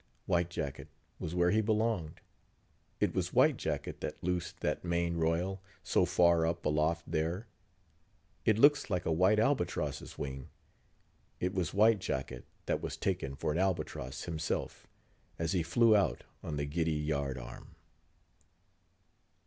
White Jacket was where he belonged. It was White Jacket that loosed that main royal, so far up aloft there, it looks like a white albatross' wing. It was White Jacket that was taken for an albatross himself, as he flew out on the giddy yard arm!